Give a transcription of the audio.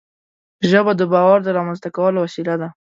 ژبه د باور د رامنځته کولو وسیله ده